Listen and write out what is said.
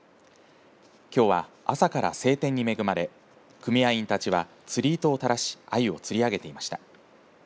きょうは朝から晴天に恵まれ組合員たちは釣り糸を垂らしアユを釣り上げていました。